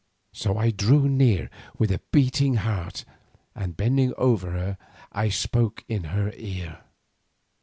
So I drew near with a beating heart, and bending over her I spoke in her ear.